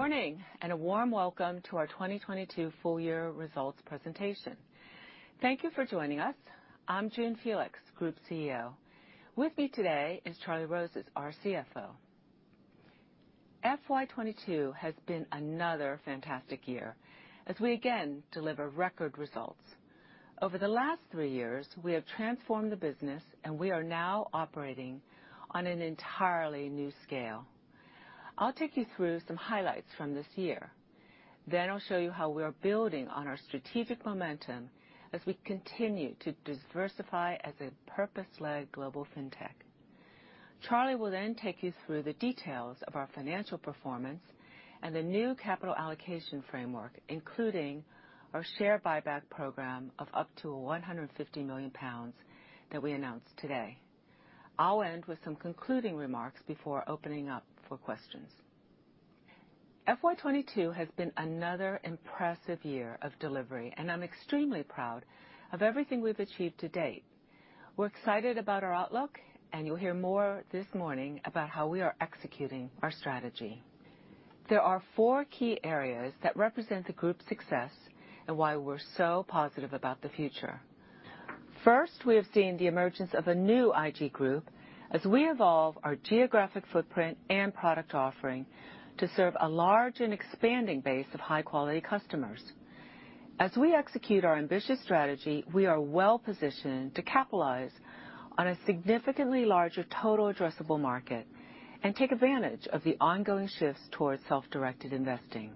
Good morning, and a warm welcome to our 2022 Full Year Results Presentation. Thank you for joining us. I'm June Felix, Group CEO. With me today is Charlie Rozes, our CFO. FY22 has been another fantastic year, as we again deliver record results. Over the last three years, we have transformed the business, and we are now operating on an entirely new scale. I'll take you through some highlights from this year. Then I'll show you how we are building on our strategic momentum as we continue to diversify as a purpose-led global fintech. Charlie Rozes will then take you through the details of our financial performance and the new capital allocation framework, including our share buyback program of up to 150 million pounds that we announced today. I'll end with some concluding remarks before opening up for questions. FY22 has been another impressive year of delivery, and I'm extremely proud of everything we've achieved to date. We're excited about our outlook, and you'll hear more this morning about how we are executing our strategy. There are four key areas that represent the group's success and why we're so positive about the future. First, we have seen the emergence of a new IG Group as we evolve our geographic footprint and product offering to serve a large and expanding base of high-quality customers. As we execute our ambitious strategy, we are well-positioned to capitalize on a significantly larger total addressable market and take advantage of the ongoing shifts towards self-directed investing.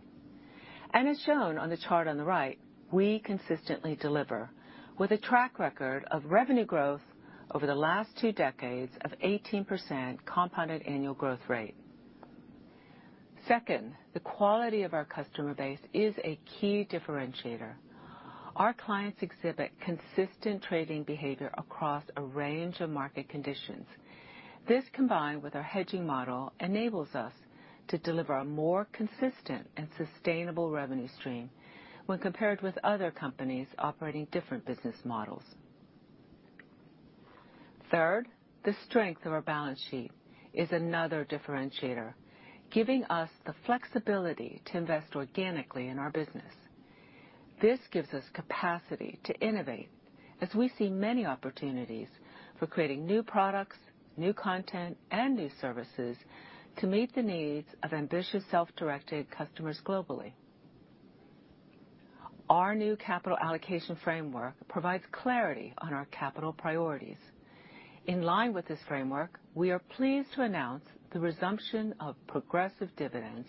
As shown on the chart on the right, we consistently deliver with a track record of revenue growth over the last two decades of 18% compounded annual growth rate. Second, the quality of our customer base is a key differentiator. Our clients exhibit consistent trading behavior across a range of market conditions. This, combined with our hedging model, enables us to deliver a more consistent and sustainable revenue stream when compared with other companies operating different business models. Third, the strength of our balance sheet is another differentiator, giving us the flexibility to invest organically in our business. This gives us capacity to innovate as we see many opportunities for creating new products, new content, and new services to meet the needs of ambitious self-directed customers globally. Our new capital allocation framework provides clarity on our capital priorities. In line with this framework, we are pleased to announce the resumption of progressive dividends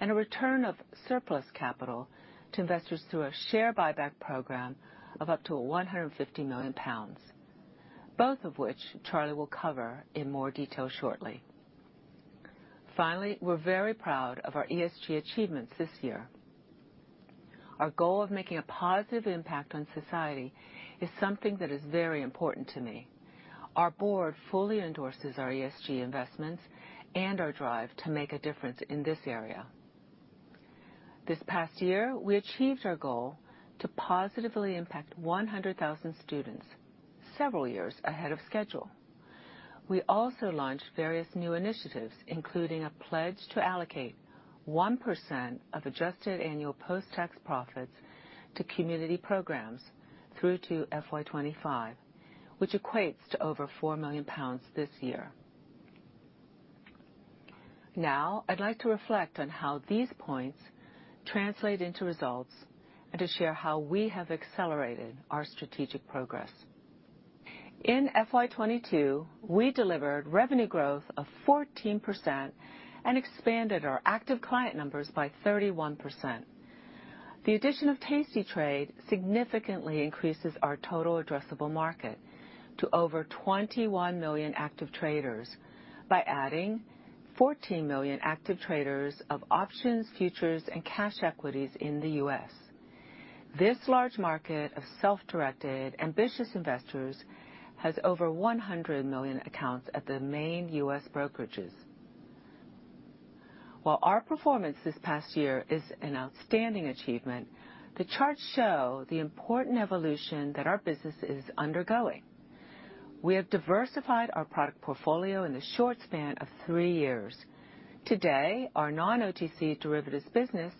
and a return of surplus capital to investors through a share buyback program of up to 150 million pounds, both of which Charlie will cover in more detail shortly. Finally, we're very proud of our ESG achievements this year. Our goal of making a positive impact on society is something that is very important to me. Our board fully endorses our ESG investments and our drive to make a difference in this area. This past year, we achieved our goal to positively impact 100,000 students several years ahead of schedule. We also launched various new initiatives, including a pledge to allocate 1% of adjusted annual post-tax profits to community programs through to FY25, which equates to over 4 million pounds this year. Now, I'd like to reflect on how these points translate into results and to share how we have accelerated our strategic progress. In FY22, we delivered revenue growth of 14% and expanded our active client numbers by 31%. The addition of tastytrade significantly increases our total addressable market to over 21 million active traders by adding 14 million active traders of options, futures, and cash equities in the U.S. This large market of self-directed, ambitious investors has over 100 million accounts at the main U.S. brokerages. While our performance this past year is an outstanding achievement, the charts show the important evolution that our business is undergoing. We have diversified our product portfolio in the short span of three years. Today, our non-OTC derivatives business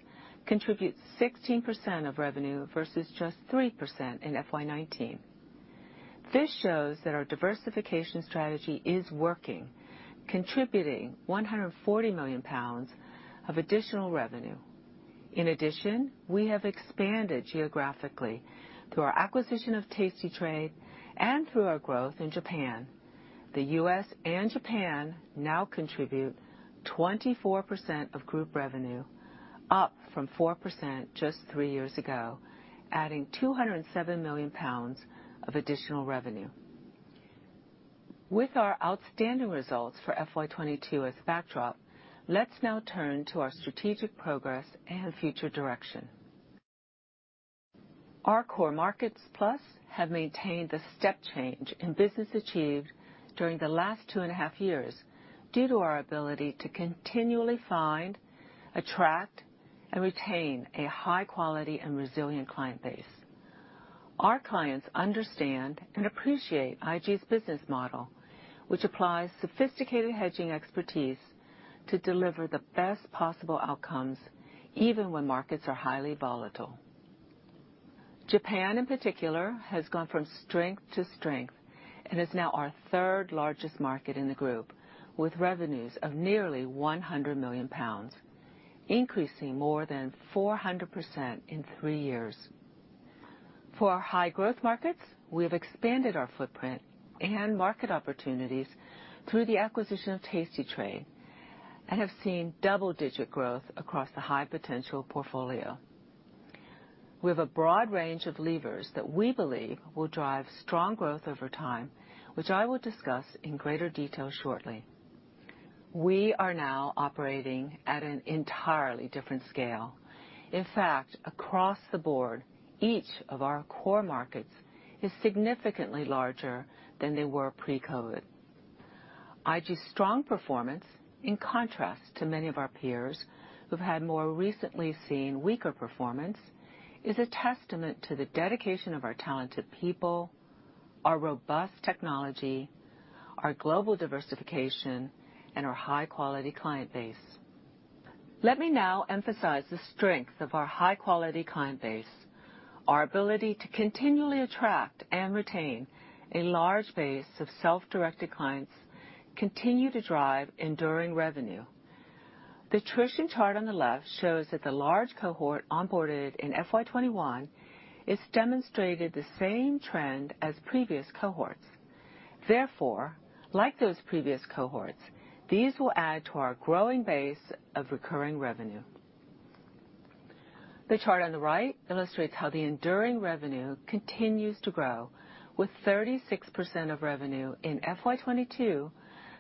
contributes 16% of revenue versus just 3% in FY19. This shows that our diversification strategy is working, contributing 140 million pounds of additional revenue. In addition, we have expanded geographically through our acquisition of tastytrade and through our growth in Japan. The U.S. and Japan now contribute 24% of group revenue, up from 4% just three years ago, adding 207 million pounds of additional revenue. With our outstanding results for FY22 as backdrop, let's now turn to our strategic progress and future direction. Our Core Markets+ have maintained the step change in business achieved during the last two and a half years due to our ability to continually find, attract, and retain a high-quality and resilient client base. Our clients understand and appreciate IG's business model, which applies sophisticated hedging expertise to deliver the best possible outcomes, even when markets are highly volatile. Japan, in particular, has gone from strength to strength and is now our third-largest market in the group, with revenues of nearly 100 million pounds, increasing more than 400% in three years. For our high-growth markets, we have expanded our footprint and market opportunities through the acquisition of tastytrade and have seen double-digit growth across the high-potential portfolio. We have a broad range of levers that we believe will drive strong growth over time, which I will discuss in greater detail shortly. We are now operating at an entirely different scale. In fact, across the board, each of our core markets is significantly larger than they were pre-COVID. IG's strong performance, in contrast to many of our peers who've had more recently seen weaker performance, is a testament to the dedication of our talented people, our robust technology, our global diversification, and our high-quality client base. Let me now emphasize the strength of our high-quality client base. Our ability to continually attract and retain a large base of self-directed clients continue to drive enduring revenue. The attrition chart on the left shows that the large cohort onboarded in FY21 is demonstrated the same trend as previous cohorts. Therefore, like those previous cohorts, these will add to our growing base of recurring revenue. The chart on the right illustrates how the enduring revenue continues to grow with 36% of revenue in FY22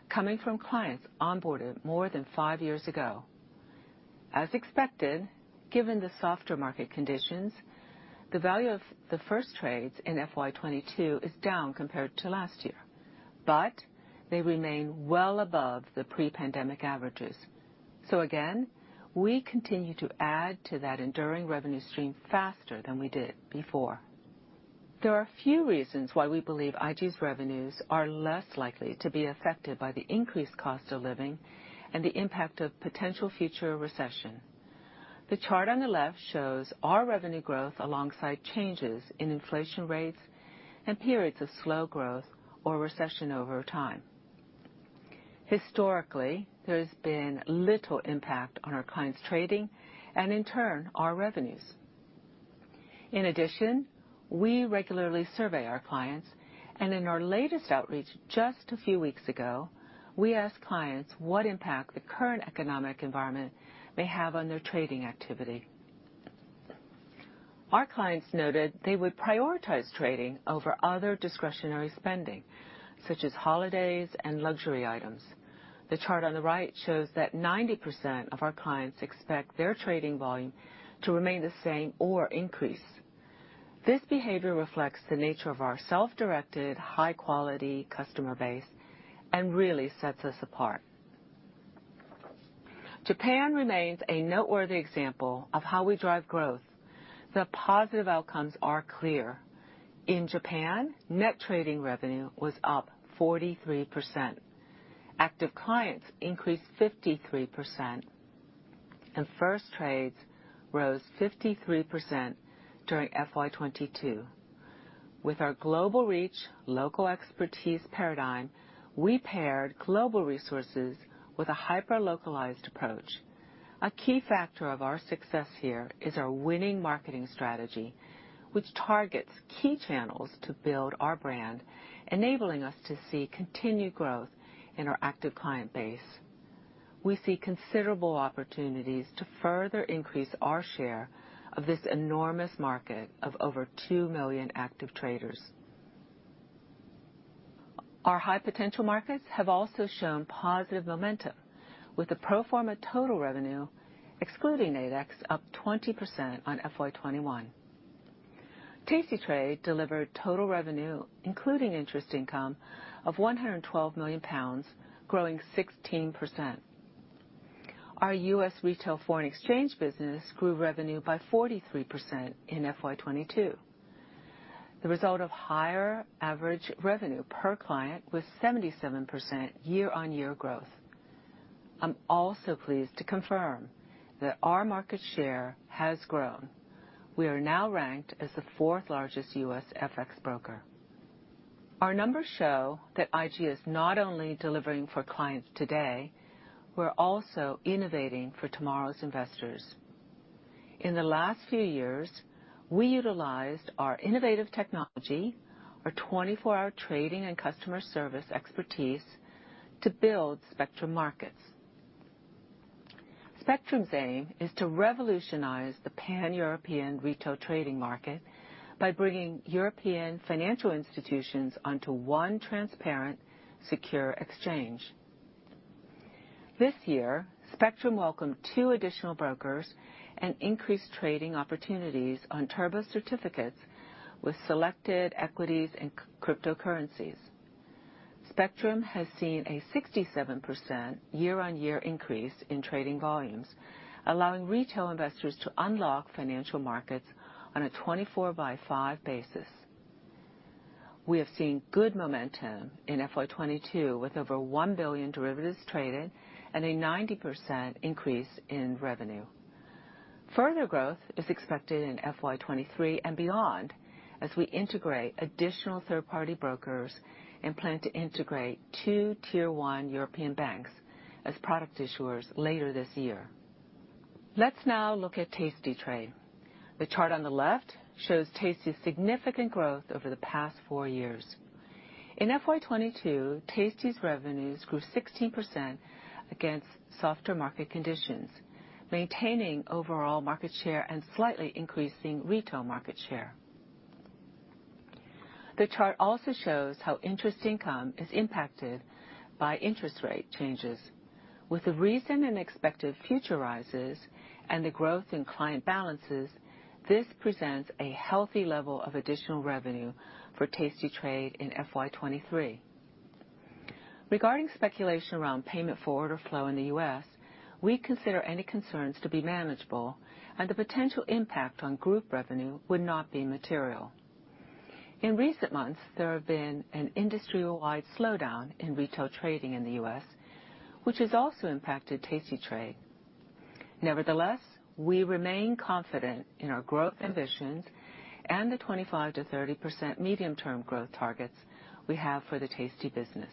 coming from clients onboarded more than five years ago. As expected, given the softer market conditions, the value of the first trades in FY22 is down compared to last year, but they remain well above the pre-pandemic averages. Again, we continue to add to that enduring revenue stream faster than we did before. There are a few reasons why we believe IG's revenues are less likely to be affected by the increased cost of living and the impact of potential future recession. The chart on the left shows our revenue growth alongside changes in inflation rates and periods of slow growth or recession over time. Historically, there's been little impact on our clients' trading and in turn, our revenues. In addition, we regularly survey our clients, and in our latest outreach just a few weeks ago, we asked clients what impact the current economic environment may have on their trading activity. Our clients noted they would prioritize trading over other discretionary spending, such as holidays and luxury items. The chart on the right shows that 90% of our clients expect their trading volume to remain the same or increase. This behavior reflects the nature of our self-directed, high-quality customer base and really sets us apart. Japan remains a noteworthy example of how we drive growth. The positive outcomes are clear. In Japan, net trading revenue was up 43%. Active clients increased 53%, and first trades rose 53% during FY22. With our global reach, local expertise paradigm, we paired global resources with a hyper-localized approach. A key factor of our success here is our winning marketing strategy, which targets key channels to build our brand, enabling us to see continued growth in our active client base. We see considerable opportunities to further increase our share of this enormous market of over two million active traders. Our high-potential markets have also shown positive momentum with the pro forma total revenue, excluding Nadex, up 20% on FY21. Tastytrade delivered total revenue, including interest income, of 112 million pounds, growing 16%. Our U.S.. Retail foreign exchange business grew revenue by 43% in FY22. The result of higher average revenue per client was 77% year-on-year growth. I'm also pleased to confirm that our market share has grown. We are now ranked as the fourth-largest U.S. FX broker. Our numbers show that IG is not only delivering for clients today, we're also innovating for tomorrow's investors. In the last few years, we utilized our innovative technology, our 24-hour trading and customer service expertise to build Spectrum Markets. Spectrum's aim is to revolutionize the Pan-European retail trading market by bringing European financial institutions onto one transparent, secure exchange. This year, Spectrum welcomed two additional brokers and increased trading opportunities on turbo certificates with selected equities and cryptocurrencies. Spectrum has seen a 67% year-on-year increase in trading volumes, allowing retail investors to unlock financial markets on a 24 by 5 basis. We have seen good momentum in FY22, with over one billion derivatives traded and a 90% increase in revenue. Further growth is expected in FY23 and beyond, as we integrate additional third-party brokers and plan to integrate two tier one European banks as product issuers later this year. Let's now look at tastytrade. The chart on the left shows tastytrade's significant growth over the past four years. In FY22, tastytrade's revenues grew 16% against softer market conditions, maintaining overall market share and slightly increasing retail market share. The chart also shows how interest income is impacted by interest rate changes. With the recent and expected future rises and the growth in client balances, this presents a healthy level of additional revenue for tastytrade in FY23. Regarding speculation around payment for order flow in the U.S., we consider any concerns to be manageable, and the potential impact on group revenue would not be material. In recent months, there have been an industry-wide slowdown in retail trading in the U.S., which has also impacted tastytrade. Nevertheless, we remain confident in our growth ambitions and the 25%-30% medium-term growth targets we have for the tastytrade business.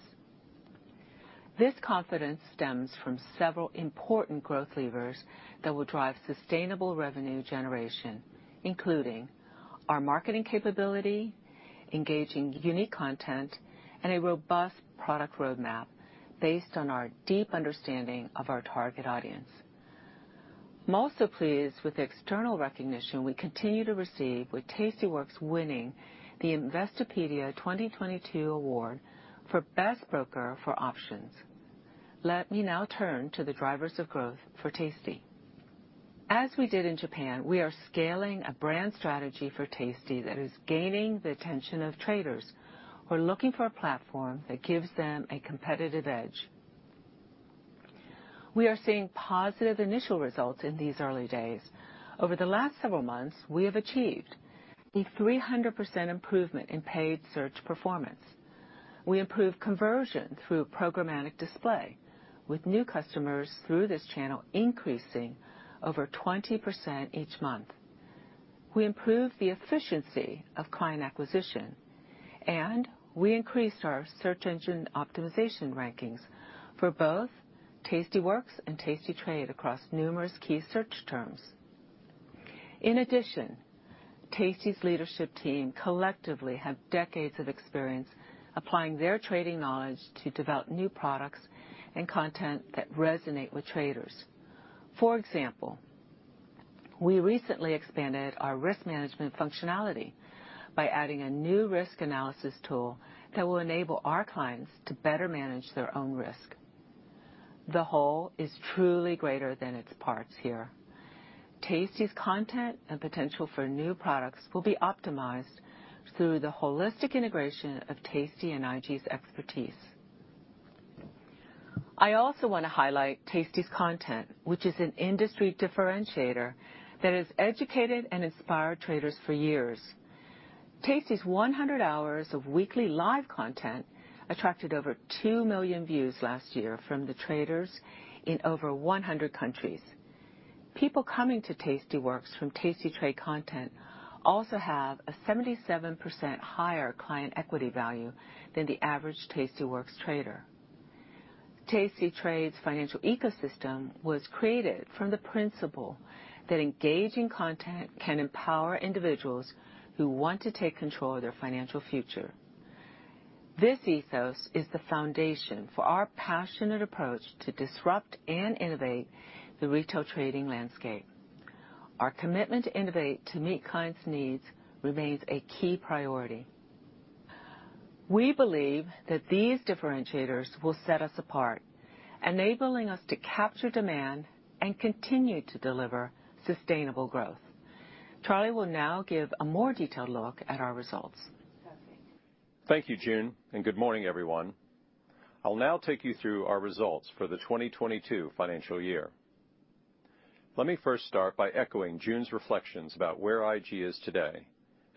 This confidence stems from several important growth levers that will drive sustainable revenue generation, including our marketing capability, engaging unique content, and a robust product roadmap based on our deep understanding of our target audience. I'm also pleased with the external recognition we continue to receive with tastyworks winning the Investopedia 2022 award for Best Broker for Options. Let me now turn to the drivers of growth for tastytrade. As we did in Japan, we are scaling a brand strategy for tastytrade that is gaining the attention of traders who are looking for a platform that gives them a competitive edge. We are seeing positive initial results in these early days. Over the last several months, we have achieved a 300% improvement in paid search performance. We improved conversion through programmatic display with new customers through this channel, increasing over 20% each month. We improved the efficiency of client acquisition, and we increased our search engine optimization rankings for both tastyworks and tastytrade across numerous key search terms. In addition, tastytrade's leadership team collectively have decades of experience applying their trading knowledge to develop new products and content that resonate with traders. For example, we recently expanded our risk management functionality by adding a new risk analysis tool that will enable our clients to better manage their own risk. The whole is truly greater than its parts here. Tastytrade's content and potential for new products will be optimized through the holistic integration of tastytrade and IG's expertise. I also want to highlight tastytrade's content, which is an industry differentiator that has educated and inspired traders for years. Tastytrade's 100 hours of weekly live content attracted over 2 million views last year from the traders in over 100 countries. People coming to tastyworks from tastytrade content also have a 77% higher client equity value than the average tastyworks trader. Tastytrade's financial ecosystem was created from the principle that engaging content can empower individuals who want to take control of their financial future. This ethos is the foundation for our passionate approach to disrupt and innovate the retail trading landscape. Our commitment to innovate to meet clients' needs remains a key priority. We believe that these differentiators will set us apart, enabling us to capture demand and continue to deliver sustainable growth. Charlie will now give a more detailed look at our results. Thank you, June, and good morning, everyone. I'll now take you through our results for the 2022 financial year. Let me first start by echoing June's reflections about where IG is today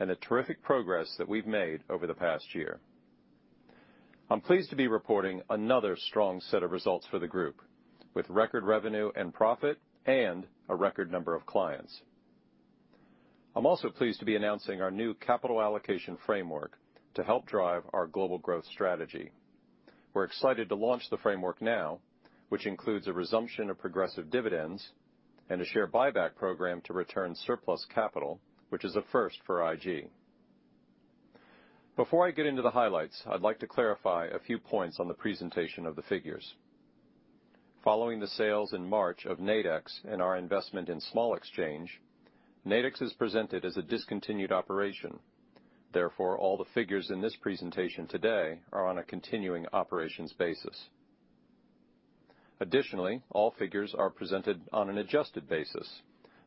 and the terrific progress that we've made over the past year. I'm pleased to be reporting another strong set of results for the group, with record revenue and profit and a record number of clients. I'm also pleased to be announcing our new capital allocation framework to help drive our global growth strategy. We're excited to launch the framework now, which includes a resumption of progressive dividends and a share buyback program to return surplus capital, which is a first for IG. Before I get into the highlights, I'd like to clarify a few points on the presentation of the figures. Following the sales in March of Nadex and our investment in Small Exchange, Nadex is presented as a discontinued operation. Therefore, all the figures in this presentation today are on a continuing operations basis. Additionally, all figures are presented on an adjusted basis,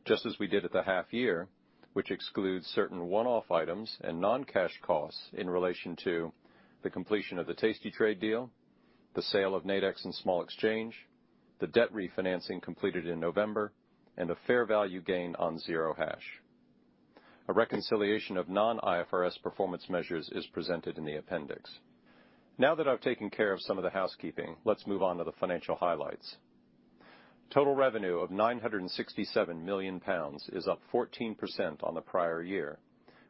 just as we did at the half year, which excludes certain one-off items and non-cash costs in relation to the completion of the tastytrade deal, the sale of Nadex and Small Exchange, the debt refinancing completed in November, and a fair value gain on Zero Hash. A reconciliation of non-IFRS performance measures is presented in the appendix. Now that I've taken care of some of the housekeeping, let's move on to the financial highlights. Total revenue of 967 million pounds is up 14% on the prior year,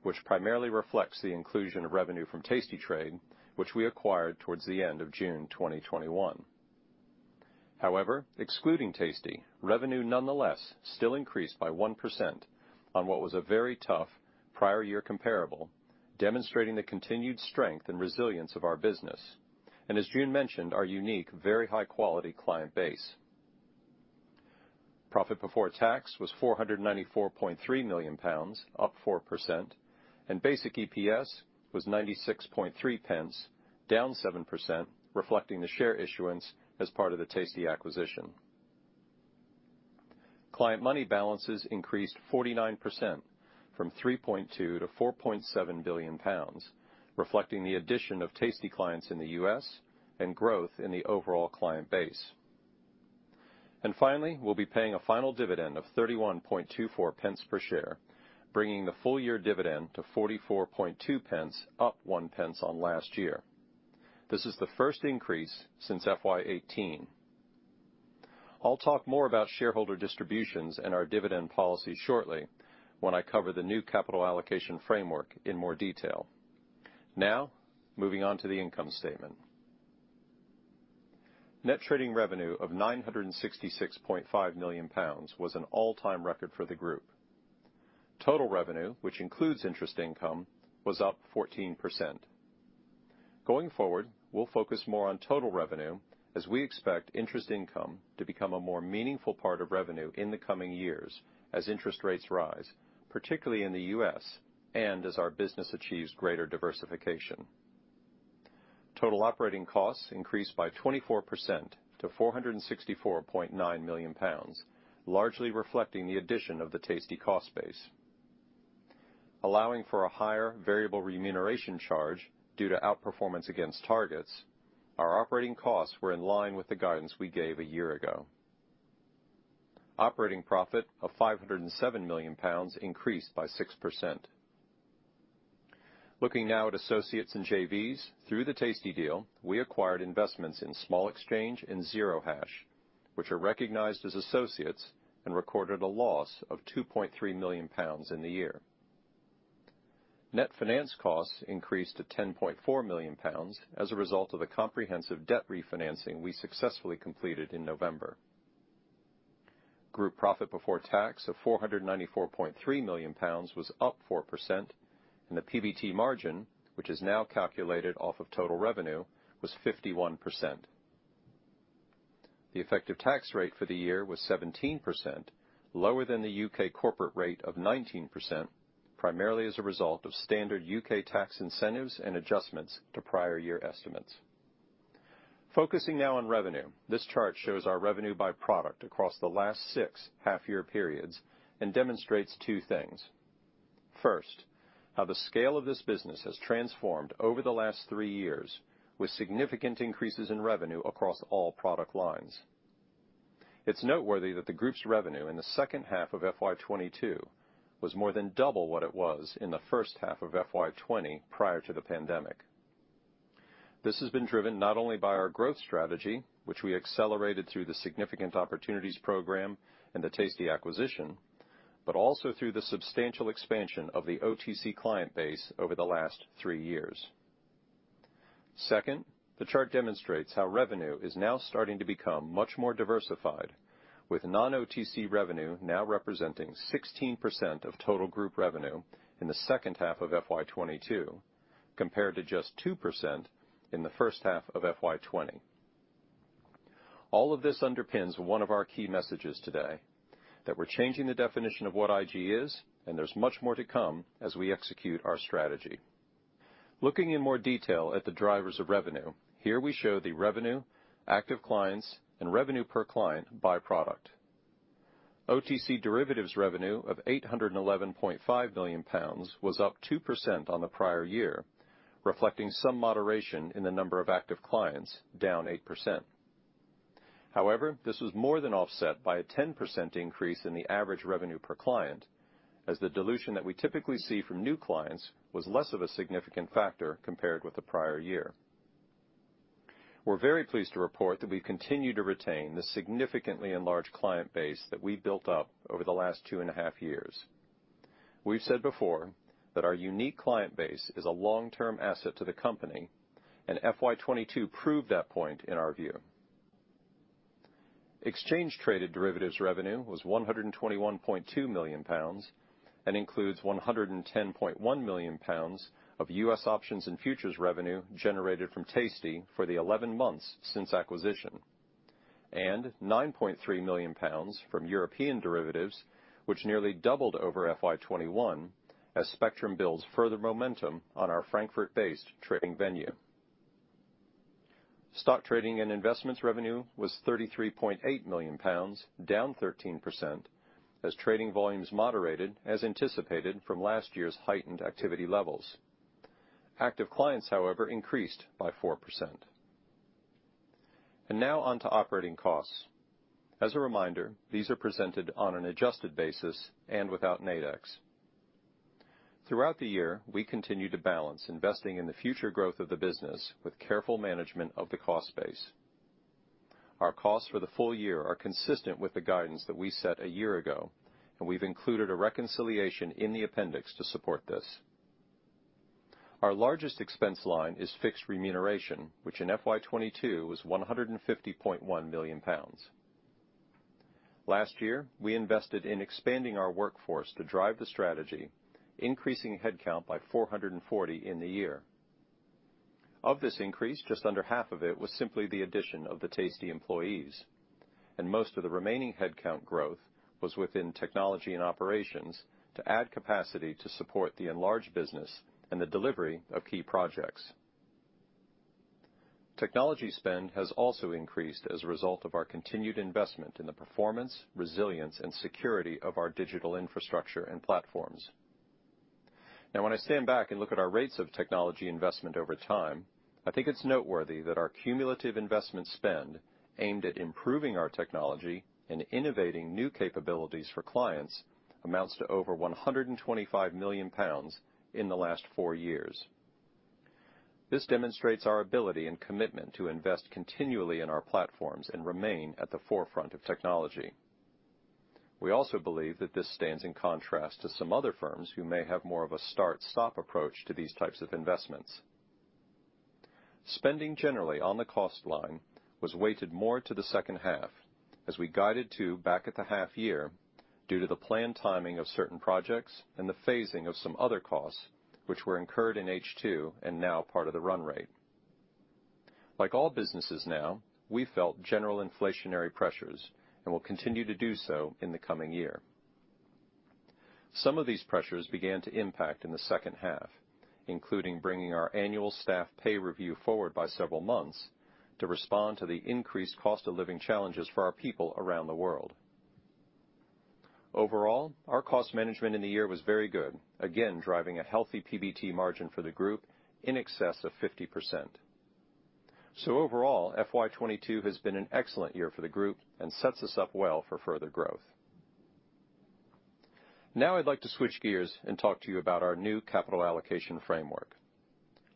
which primarily reflects the inclusion of revenue from tastytrade, which we acquired towards the end of June 2021. However, excluding tastytrade, revenue nonetheless still increased by 1% on what was a very tough prior year comparable, demonstrating the continued strength and resilience of our business, and as June mentioned, our unique, very high-quality client base. Profit before tax was 494.3 million pounds, up 4%, and basic EPS was 0.963, down 7%, reflecting the share issuance as part of the tastytrade acquisition. Client money balances increased 49% from 3.2 billion to 4.7 billion pounds, reflecting the addition of tastytrade clients in the U.S. and growth in the overall client base. Finally, we'll be paying a final dividend of 31.24 pence per share, bringing the full year dividend to 44.2 pence, up one pence on last year. This is the first increase since F18. I'll talk more about shareholder distributions and our dividend policy shortly when I cover the new capital allocation framework in more detail. Now, moving on to the income statement. Net trading revenue of 966.5 million pounds was an all-time record for the group. Total revenue, which includes interest income, was up 14%. Going forward, we'll focus more on total revenue as we expect interest income to become a more meaningful part of revenue in the coming years as interest rates rise, particularly in the U.S. and as our business achieves greater diversification. Total operating costs increased by 24% to 464.9 million pounds, largely reflecting the addition of the tastytrade cost base. Allowing for a higher variable remuneration charge due to outperformance against targets, our operating costs were in line with the guidance we gave a year ago. Operating profit of 507 million pounds increased by 6%. Looking now at associates and JVs, through the tastytrade deal, we acquired investments in Small Exchange and Zero Hash, which are recognized as associates and recorded a loss of 2.3 million pounds in the year. Net finance costs increased to 10.4 million pounds as a result of a comprehensive debt refinancing we successfully completed in November. Group profit before tax of 494.3 million pounds was up 4%, and the PBT margin, which is now calculated off of total revenue, was 51%. The effective tax rate for the year was 17%, lower than the U.K. corporate rate of 19%, primarily as a result of standard U.K. tax incentives and adjustments to prior year estimates. Focusing now on revenue, this chart shows our revenue by product across the last six half-year periods and demonstrates two things. First, how the scale of this business has transformed over the last three years with significant increases in revenue across all product lines. It's noteworthy that the group's revenue in the second half of FY22 was more than double what it was in the first half of FY20, prior to the pandemic. This has been driven not only by our growth strategy, which we accelerated through the Significant Opportunities Program and the tastytrade acquisition, but also through the substantial expansion of the OTC client base over the last three years. Second, the chart demonstrates how revenue is now starting to become much more diversified, with non-OTC revenue now representing 16% of total group revenue in the second half of FY22, compared to just 2% in the first half of FY20. All of this underpins one of our key messages today, that we're changing the definition of what IG is, and there's much more to come as we execute our strategy. Looking in more detail at the drivers of revenue, here we show the revenue, active clients, and revenue per client by product. OTC derivatives revenue of 811.5 million pounds was up 2% on the prior year, reflecting some moderation in the number of active clients down 8%. However, this was more than offset by a 10% increase in the average revenue per client, as the dilution that we typically see from new clients was less of a significant factor compared with the prior year. We're very pleased to report that we continue to retain the significantly enlarged client base that we built up over the last 2.5 years. We've said before that our unique client base is a long-term asset to the company, and FY22 proved that point in our view. Exchange Traded Derivatives revenue was 121.2 million pounds and includes 110.1 million pounds of U.S. options and futures revenue generated from tastytrade for the 11 months since acquisition, and 9.3 million pounds from European derivatives, which nearly doubled over FY21 as Spectrum builds further momentum on our Frankfurt-based trading venue. Stock trading and investments revenue was 33.8 million pounds, down 13% as trading volumes moderated as anticipated from last year's heightened activity levels. Active clients, however, increased by 4%. Now on to operating costs. As a reminder, these are presented on an adjusted basis and without Nadex. Throughout the year, we continue to balance investing in the future growth of the business with careful management of the cost base. Our costs for the full year are consistent with the guidance that we set a year ago, and we've included a reconciliation in the appendix to support this. Our largest expense line is fixed remuneration, which in FY22 was 150.1 million pounds. Last year, we invested in expanding our workforce to drive the strategy, increasing headcount by 440 in the year. Of this increase, just under half of it was simply the addition of the tastytrade employees, and most of the remaining headcount growth was within technology and operations to add capacity to support the enlarged business and the delivery of key projects. Technology spend has also increased as a result of our continued investment in the performance, resilience and security of our digital infrastructure and platforms. Now, when I stand back and look at our rates of technology investment over time, I think it's noteworthy that our cumulative investment spend aimed at improving our technology and innovating new capabilities for clients amounts to over 125 million pounds in the last four years. This demonstrates our ability and commitment to invest continually in our platforms and remain at the forefront of technology. We also believe that this stands in contrast to some other firms who may have more of a start-stop approach to these types of investments. Spending generally on the cost line was weighted more to the second half as we guided to back at the half year due to the planned timing of certain projects and the phasing of some other costs which were incurred in H2 and now part of the run rate. Like all businesses now, we felt general inflationary pressures and will continue to do so in the coming year. Some of these pressures began to impact in the second half, including bringing our annual staff pay review forward by several months to respond to the increased cost of living challenges for our people around the world. Overall, our cost management in the year was very good, again, driving a healthy PBT margin for the group in excess of 50%. Overall, FY22 has been an excellent year for the group and sets us up well for further growth. Now I'd like to switch gears and talk to you about our new capital allocation framework.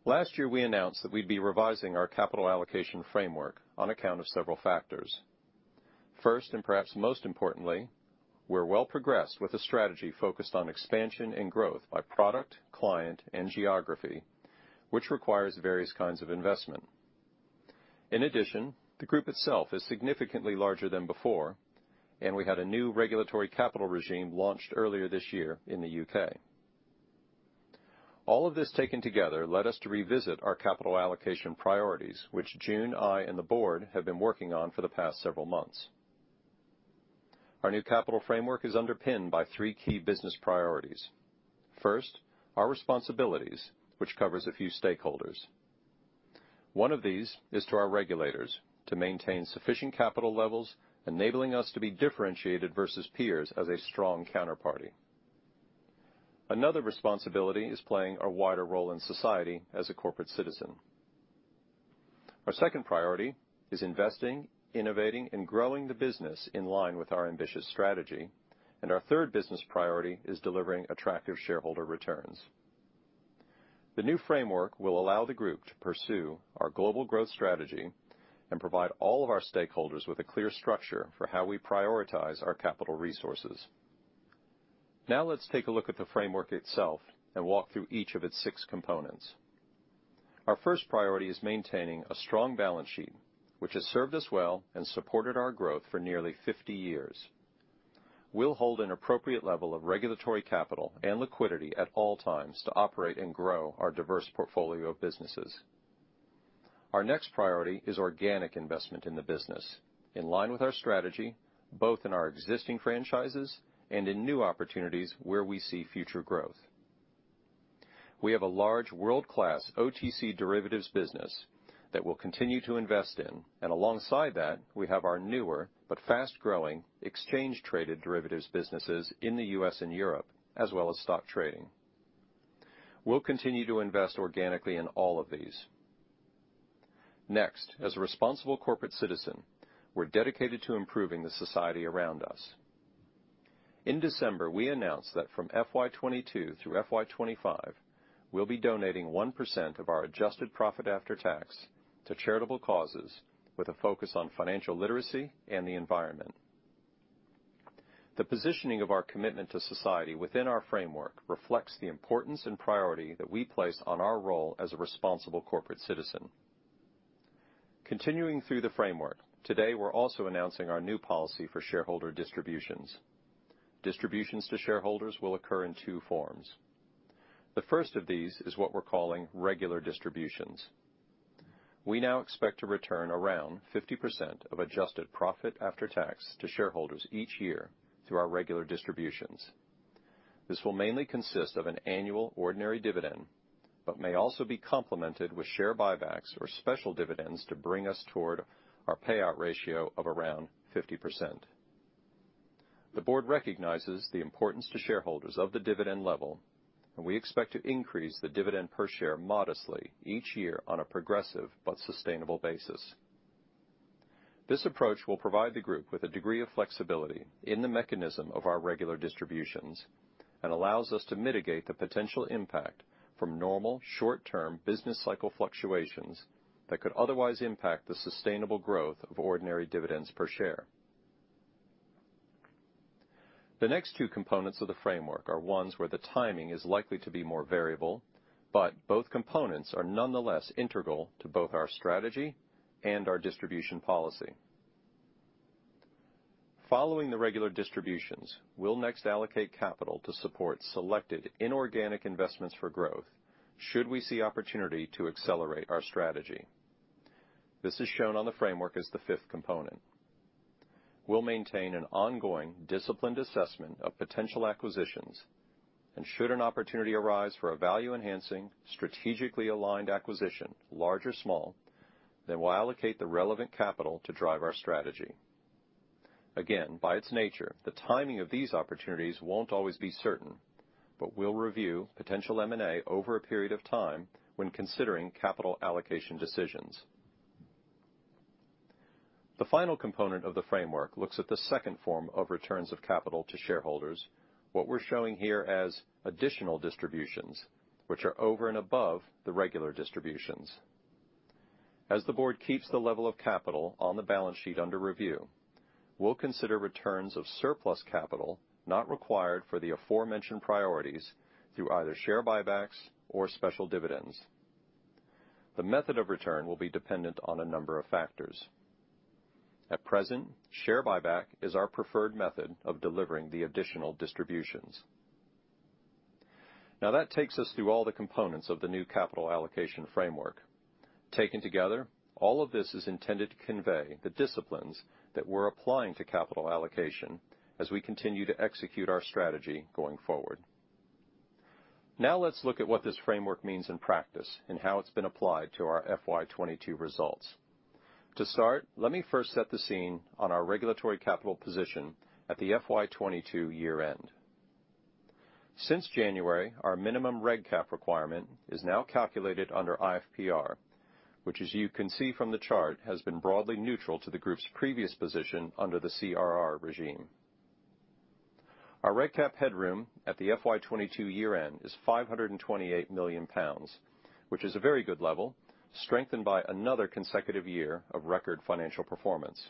Last year, we announced that we'd be revising our capital allocation framework on account of several factors. First, and perhaps most importantly, we're well progressed with a strategy focused on expansion and growth by product, client, and geography, which requires various kinds of investment. In addition, the group itself is significantly larger than before, and we had a new regulatory capital regime launched earlier this year in the U.K. All of this taken together led us to revisit our capital allocation priorities, which June, I, and the board have been working on for the past several months. Our new capital framework is underpinned by three key business priorities. First, our responsibilities, which covers a few stakeholders. One of these is to our regulators to maintain sufficient capital levels, enabling us to be differentiated versus peers as a strong counterparty. Another responsibility is playing a wider role in society as a corporate citizen. Our second priority is investing, innovating, and growing the business in line with our ambitious strategy. Our third business priority is delivering attractive shareholder returns. The new framework will allow the group to pursue our global growth strategy and provide all of our stakeholders with a clear structure for how we prioritize our capital resources. Now let's take a look at the framework itself and walk through each of its six components. Our first priority is maintaining a strong balance sheet, which has served us well and supported our growth for nearly 50 years. We'll hold an appropriate level of regulatory capital and liquidity at all times to operate and grow our diverse portfolio of businesses. Our next priority is organic investment in the business, in line with our strategy, both in our existing franchises and in new opportunities where we see future growth. We have a large world-class OTC derivatives business that we'll continue to invest in. Alongside that, we have our newer but fast-growing exchange-traded derivatives businesses in the U.S. and Europe, as well as stock trading. We'll continue to invest organically in all of these. Next, as a responsible corporate citizen, we're dedicated to improving the society around us. In December, we announced that from FY22 through FY25, we'll be donating 1% of our adjusted profit after tax to charitable causes with a focus on financial literacy and the environment. The positioning of our commitment to society within our framework reflects the importance and priority that we place on our role as a responsible corporate citizen. Continuing through the framework, today, we're also announcing our new policy for shareholder distributions. Distributions to shareholders will occur in two forms. The first of these is what we're calling regular distributions. We now expect to return around 50% of adjusted profit after tax to shareholders each year through our regular distributions. This will mainly consist of an annual ordinary dividend, but may also be complemented with share buybacks or special dividends to bring us toward our payout ratio of around 50%. The board recognizes the importance to shareholders of the dividend level, and we expect to increase the dividend per share modestly each year on a progressive but sustainable basis. This approach will provide the group with a degree of flexibility in the mechanism of our regular distributions, and allows us to mitigate the potential impact from normal short-term business cycle fluctuations that could otherwise impact the sustainable growth of ordinary dividends per share. The next two components of the framework are ones where the timing is likely to be more variable, but both components are nonetheless integral to both our strategy and our distribution policy. Following the regular distributions, we'll next allocate capital to support selected inorganic investments for growth should we see opportunity to accelerate our strategy. This is shown on the framework as the fifth component. We'll maintain an ongoing disciplined assessment of potential acquisitions, and should an opportunity arise for a value-enhancing, strategically aligned acquisition, large or small, then we'll allocate the relevant capital to drive our strategy. Again, by its nature, the timing of these opportunities won't always be certain, but we'll review potential M&A over a period of time when considering capital allocation decisions. The final component of the framework looks at the second form of returns of capital to shareholders, what we're showing here as additional distributions, which are over and above the regular distributions. As the board keeps the level of capital on the balance sheet under review, we'll consider returns of surplus capital not required for the aforementioned priorities through either share buybacks or special dividends. The method of return will be dependent on a number of factors. At present, share buyback is our preferred method of delivering the additional distributions. Now that takes us through all the components of the new capital allocation framework. Taken together, all of this is intended to convey the disciplines that we're applying to capital allocation as we continue to execute our strategy going forward. Now let's look at what this framework means in practice and how it's been applied to our FY22 results. To start, let me first set the scene on our regulatory capital position at the FY22 year-end. Since January, our minimum reg cap requirement is now calculated under IFPR, which as you can see from the chart, has been broadly neutral to the group's previous position under the CRR regime. Our reg cap headroom at the FY22 year-end is 528 million pounds, which is a very good level, strengthened by another consecutive year of record financial performance.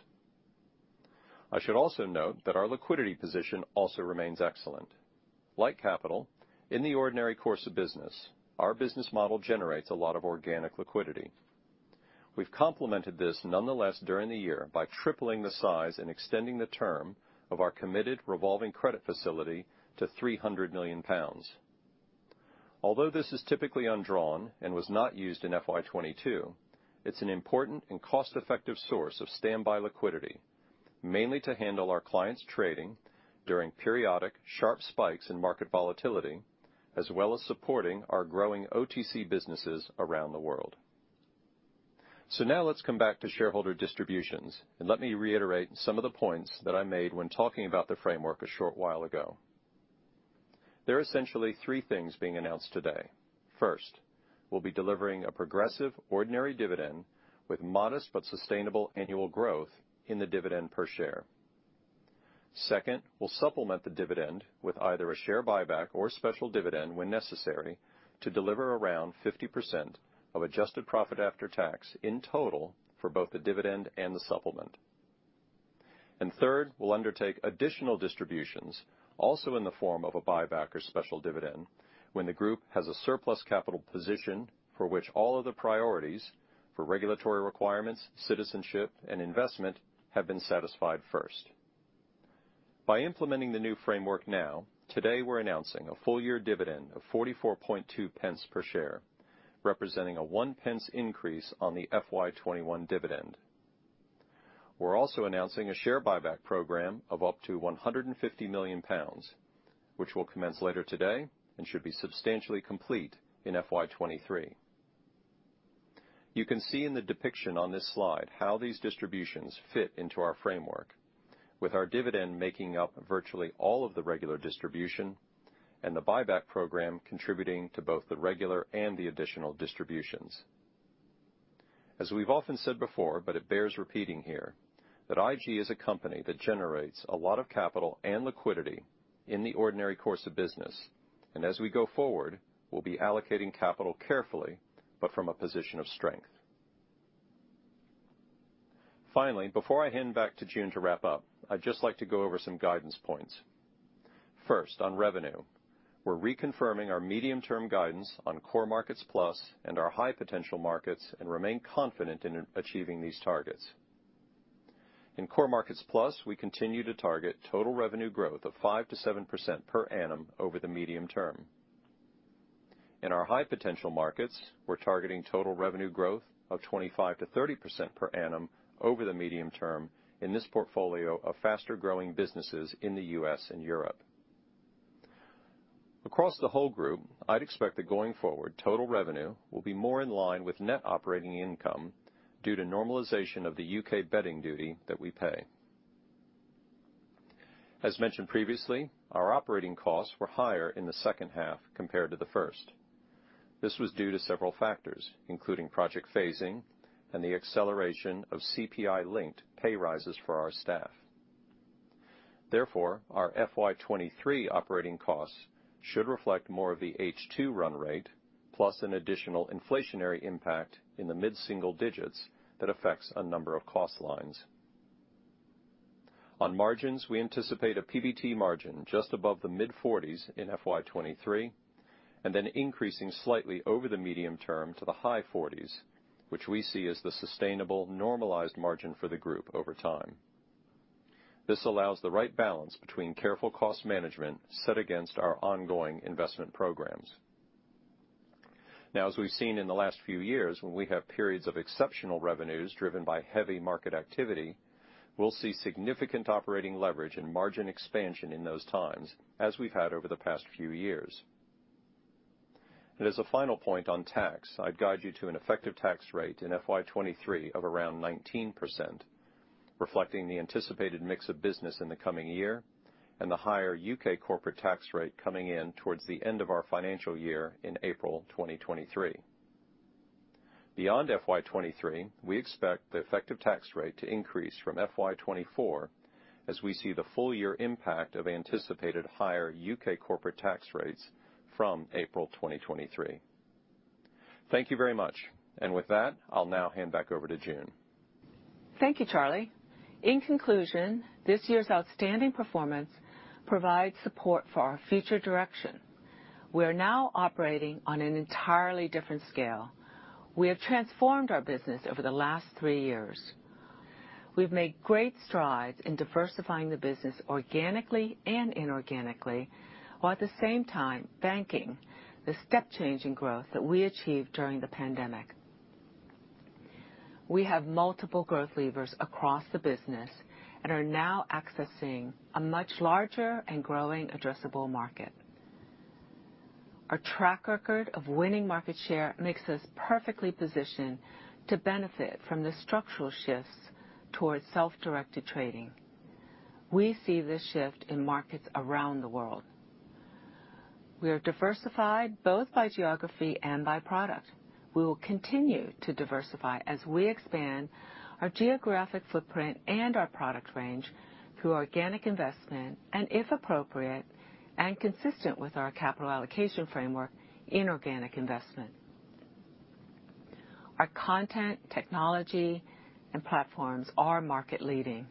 I should also note that our liquidity position also remains excellent. Like capital, in the ordinary course of business, our business model generates a lot of organic liquidity. We've complemented this nonetheless during the year by tripling the size and extending the term of our committed revolving credit facility to 300 million pounds. Although this is typically undrawn and was not used in FY22, it's an important and cost-effective source of standby liquidity, mainly to handle our clients' trading during periodic sharp spikes in market volatility, as well as supporting our growing OTC businesses around the world. Now let's come back to shareholder distributions, and let me reiterate some of the points that I made when talking about the framework a short while ago. There are essentially three things being announced today. First, we'll be delivering a progressive ordinary dividend with modest but sustainable annual growth in the dividend per share. Second, we'll supplement the dividend with either a share buyback or special dividend when necessary to deliver around 50% of adjusted profit after tax in total for both the dividend and the supplement. Third, we'll undertake additional distributions, also in the form of a buyback or special dividend, when the group has a surplus capital position for which all of the priorities for regulatory requirements, citizenship, and investment have been satisfied first. By implementing the new framework now, today we're announcing a full year dividend of 44.2 pence per share, representing a one pence increase on the FY21 dividend. We're also announcing a share buyback program of up to 150 million pounds, which will commence later today and should be substantially complete in FY23. You can see in the depiction on this slide how these distributions fit into our framework, with our dividend making up virtually all of the regular distribution and the buyback program contributing to both the regular and the additional distributions. As we've often said before, but it bears repeating here, that IG is a company that generates a lot of capital and liquidity in the ordinary course of business. As we go forward, we'll be allocating capital carefully, but from a position of strength. Finally, before I hand back to June to wrap up, I'd just like to go over some guidance points. First, on revenue, we're reconfirming our medium-term guidance on Core Markets+ and our high-potential markets and remain confident in achieving these targets. In Core Markets+, we continue to target total revenue growth of 5%-7% per annum over the medium term. In our high-potential markets, we're targeting total revenue growth of 25%-30% per annum over the medium term in this portfolio of faster-growing businesses in the U.S. and Europe. Across the whole group, I'd expect that going forward, total revenue will be more in line with net operating income due to normalization of the U.K. betting duty that we pay. As mentioned previously, our operating costs were higher in the second half compared to the first. This was due to several factors, including project phasing and the acceleration of CPI-linked pay rises for our staff. Therefore, our FY23 operating costs should reflect more of the H2 run rate, plus an additional inflationary impact in the mid-single digits that affects a number of cost lines. On margins, we anticipate a PBT margin just above the mid-40s% in FY23, and then increasing slightly over the medium term to the high 40s%, which we see as the sustainable normalized margin for the group over time. This allows the right balance between careful cost management set against our ongoing investment programs. Now, as we've seen in the last few years, when we have periods of exceptional revenues driven by heavy market activity, we'll see significant operating leverage and margin expansion in those times, as we've had over the past few years. As a final point on tax, I'd guide you to an effective tax rate in FY23 of around 19%, reflecting the anticipated mix of business in the coming year and the higher U.K. corporate tax rate coming in towards the end of our financial year in April 2023. Beyond FY23, we expect the effective tax rate to increase from FY24, as we see the full year impact of anticipated higher U.K. corporate tax rates from April 2023. Thank you very much. With that, I'll now hand back over to June. Thank you, Charlie. In conclusion, this year's outstanding performance provides support for our future direction. We are now operating on an entirely different scale. We have transformed our business over the last three years. We've made great strides in diversifying the business organically and inorganically, while at the same time banking the step change in growth that we achieved during the pandemic. We have multiple growth levers across the business and are now accessing a much larger and growing addressable market. Our track record of winning market share makes us perfectly positioned to benefit from the structural shifts towards self-directed trading. We see this shift in markets around the world. We are diversified both by geography and by product. We will continue to diversify as we expand our geographic footprint and our product range through organic investment, and if appropriate and consistent with our capital allocation framework, inorganic investment. Our content, technology, and platforms are market-leading.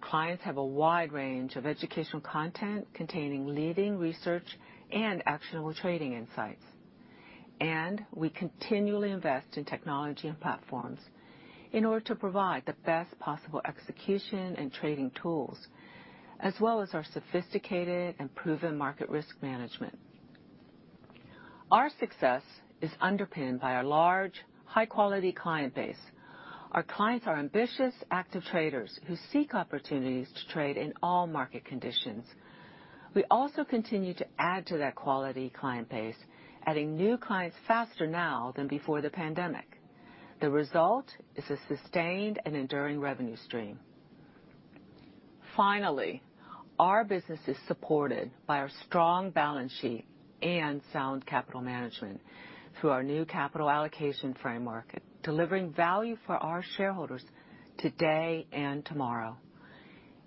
Clients have a wide range of educational content containing leading research and actionable trading insights. We continually invest in technology and platforms in order to provide the best possible execution and trading tools, as well as our sophisticated and proven market risk management. Our success is underpinned by our large, high-quality client base. Our clients are ambitious, active traders who seek opportunities to trade in all market conditions. We also continue to add to that quality client base, adding new clients faster now than before the pandemic. The result is a sustained and enduring revenue stream. Finally, our business is supported by our strong balance sheet and sound capital management through our new capital allocation framework, delivering value for our shareholders today and tomorrow.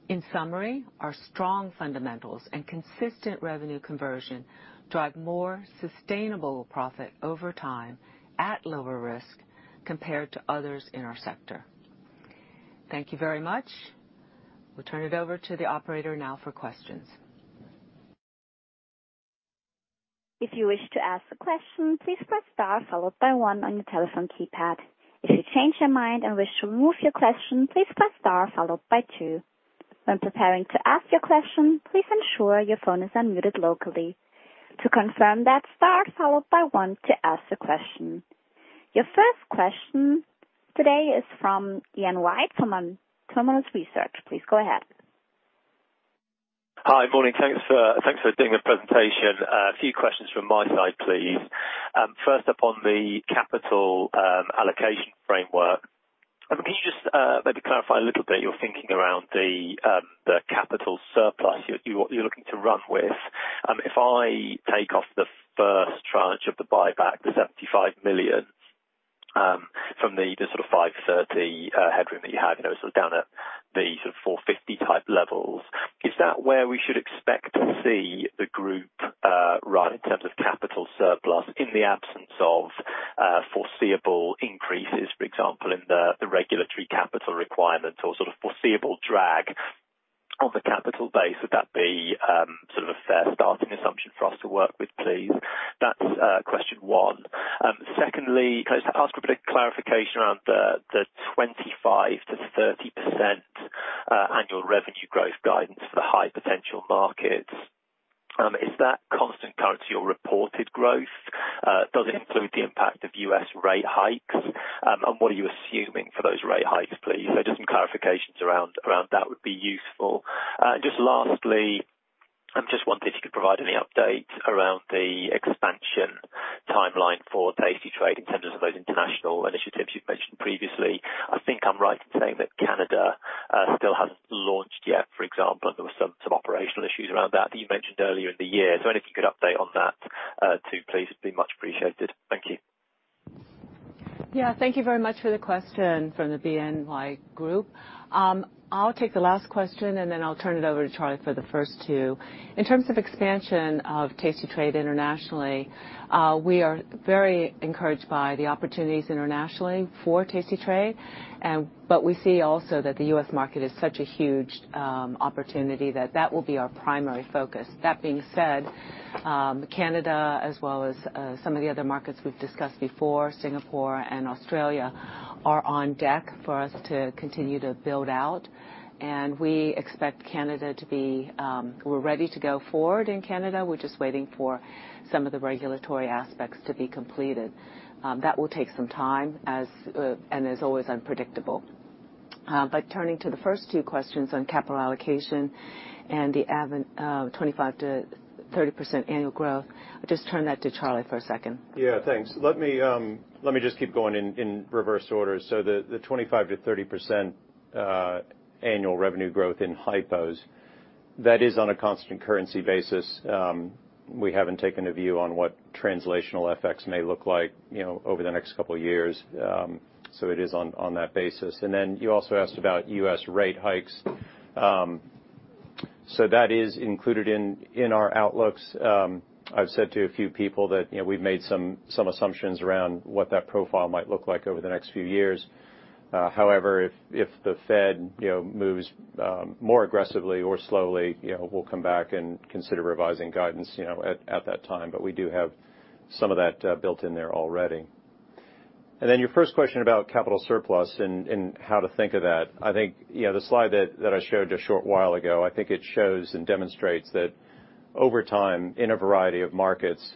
In summary, our strong fundamentals and consistent revenue conversion drive more sustainable profit over time at lower risk compared to others in our sector. Thank you very much. We'll turn it over to the operator now for questions. If you wish to ask a question, please press star followed by one on your telephone keypad. If you change your mind and wish to remove your question, please press star followed by two. When preparing to ask your question, please ensure your phone is unmuted locally. To confirm that, star followed by one to ask the question. Your first question today is from Ian White, from Autonomous Research. Please go ahead. Hi. Morning. Thanks for doing the presentation. A few questions from my side, please. First up, on the capital allocation framework, can you just maybe clarify a little bit your thinking around the capital surplus you're looking to run with? If I take off the. First tranche of the buyback, the 75 million, from the just sort of 530 headroom that you have, you know, sort of down at the sort of 450 type levels, is that where we should expect to see the group run in terms of capital surplus in the absence of foreseeable increases, for example, in the regulatory capital requirements or sort of foreseeable drag on the capital base? Would that be sort of a fair starting assumption for us to work with, please? That's question one. Secondly, can I just ask for a bit of clarification around the 25%-30% annual revenue growth guidance for the high-potential markets? Is that constant currency or reported growth? Does it include the impact of U.S rate hikes? And what are you assuming for those rate hikes, please? Just some clarifications around that would be useful. Just lastly, I'm just wondering if you could provide any update around the expansion timeline for tastytrade in terms of those international initiatives you've mentioned previously. I think I'm right in saying that Canada still hasn't launched yet, for example, and there were some operational issues around that that you mentioned earlier in the year. Anything you could update on that too, please, would be much appreciated. Thank you. Yeah, thank you very much for the question from the BNY Group. I'll take the last question, and then I'll turn it over to Charlie for the first two. In terms of expansion of tastytrade internationally, we are very encouraged by the opportunities internationally for tastytrade. We see also that the U.S. market is such a huge opportunity that that will be our primary focus. That being said, Canada as well as some of the other markets we've discussed before, Singapore and Australia, are on deck for us to continue to build out. We expect Canada to be. We're ready to go forward in Canada. We're just waiting for some of the regulatory aspects to be completed. That will take some time as it is always unpredictable. Turning to the first two questions on capital allocation and the advent of 25%-30% annual growth, I'll just turn that to Charlie for a second. Yeah, thanks. Let me just keep going in reverse order. The 25%-30% annual revenue growth in high-potential, that is on a constant currency basis. We haven't taken a view on what translational FX may look like, you know, over the next couple of years, so it is on that basis. You also asked about U.S. rate hikes. That is included in our outlooks. I've said to a few people that, you know, we've made some assumptions around what that profile might look like over the next few years. However, if the Fed, you know, moves more aggressively or slowly, you know, we'll come back and consider revising guidance, you know, at that time. We do have some of that built in there already. Your first question about capital surplus and how to think of that. I think the slide that I showed a short while ago, I think it shows and demonstrates that over time, in a variety of markets,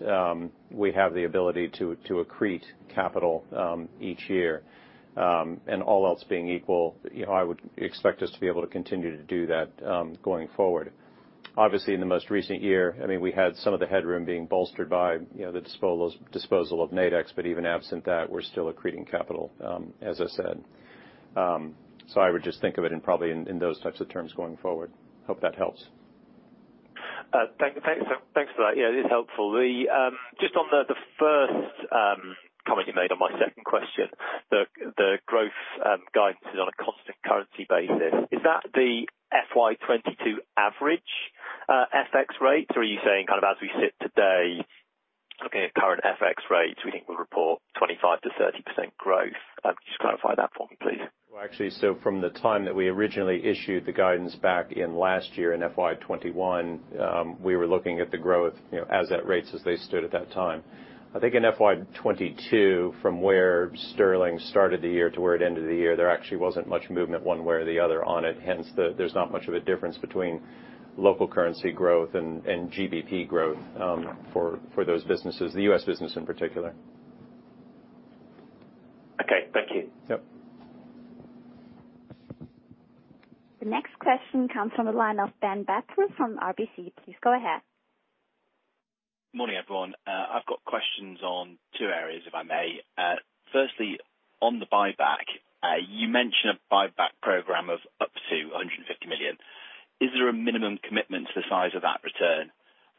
we have the ability to accrete capital each year. All else being equal, I would expect us to be able to continue to do that going forward. Obviously, in the most recent year, we had some of the headroom being bolstered by the disposal of Nadex. But even absent that, we're still accreting capital, as I said. I would just think of it in probably those types of terms going forward. Hope that helps. Thanks for that. Yeah, it is helpful. Just on the first comment you made on my second question, the growth guidance is on a constant currency basis. Is that the FY22 average FX rates, or are you saying kind of as we sit today looking at current FX rates, we think we'll report 25%-30% growth? Could you just clarify that for me, please? Well, actually, from the time that we originally issued the guidance back in last year in FY21, we were looking at the growth, you know, exchange rates as they stood at that time. I think in FY 2022, from where sterling started the year to where it ended the year, there actually wasn't much movement one way or the other on it. Hence, there's not much of a difference between local currency growth and GBP growth for those businesses, the U.S. business in particular. Okay, thank you. Yep. The next question comes from the line of Ben Bathurst from RBC. Please go ahead. Morning, everyone. I've got questions on two areas, if I may. Firstly, on the buyback, you mentioned a buyback program of up to 150 million. Is there a minimum commitment to the size of that return?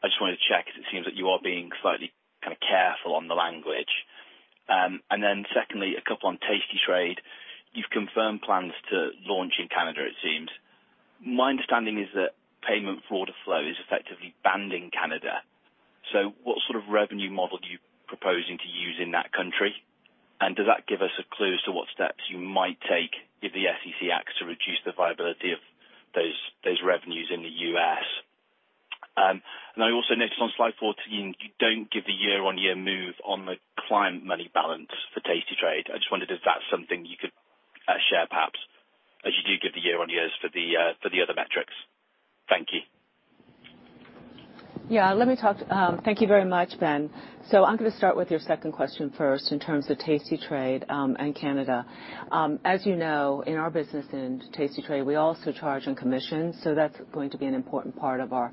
I just wanted to check 'cause it seems that you are being slightly kind of careful on the language. Secondly, a couple on tastytrade. You've confirmed plans to launch in Canada, it seems. My understanding is that payment for order flow is effectively banned in Canada. What sort of revenue model are you proposing to use in that country? Does that give us a clue as to what steps you might take if the SEC acts to reduce the viability of those revenues in the US? I also noticed on slide 14, you don't give the year-on-year move on the client money balance for tastytrade. I just wondered if that's something you could share perhaps, as you do give the year-on-years for the other metrics. Thank you. Thank you very much, Ben. I'm gonna start with your second question first in terms of tastytrade and Canada. As you know, in our business in tastytrade, we also charge on commission, so that's going to be an important part of our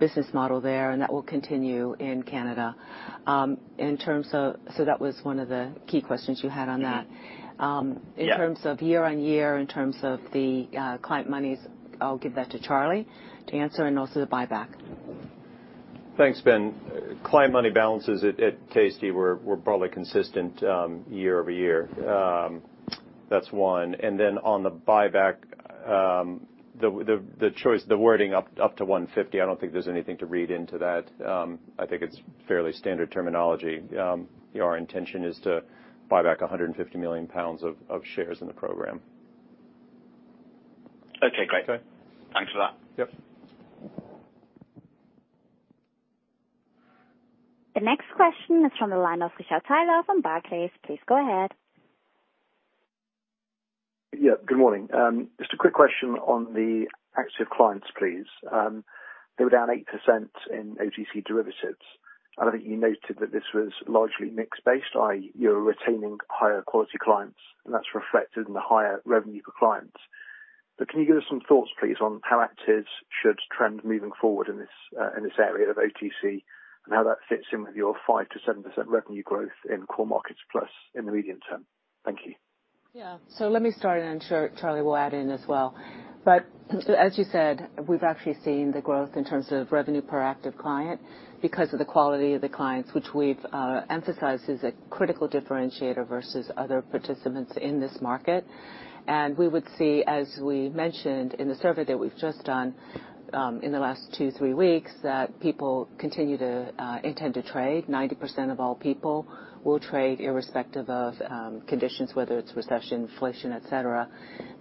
business model there, and that will continue in Canada. That was one of the key questions you had on that. In terms of the client monies, I'll give that to Charlie to answer, and also the buyback. Thanks, Ben. Client money balances at tastytrade were probably consistent year-over-year. That's one. Then on the buyback, the choice, the wording up to 150, I don't think there's anything to read into that. I think it's fairly standard terminology. Our intention is to buy back 150 million pounds of shares in the program. Okay, great. Okay. Thanks for that. Yep. The next question is from the line of Richard Taylor from Barclays. Please go ahead. Yeah, good morning. Just a quick question on the active clients, please. They were down 8% in OTC derivatives. I think you noted that this was largely mix based, i.e., you're retaining higher quality clients, and that's reflected in the higher revenue per client. Can you give us some thoughts, please, on how actives should trend moving forward in this area of OTC and how that fits in with your 5%-7% revenue growth in Core Markets+ in the medium term? Thank you. Yeah. Let me start, and I'm sure Charlie will add in as well. As you said, we've actually seen the growth in terms of revenue per active client because of the quality of the clients, which we've emphasized is a critical differentiator versus other participants in this market. We would see, as we mentioned in the survey that we've just done, in the last two-three weeks, that people continue to intend to trade. 90% of all people will trade irrespective of conditions, whether it's recession, inflation, et cetera,